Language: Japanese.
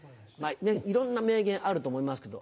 いろんな名言あると思いますけど。